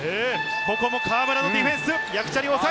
ここも河村のディフェンス。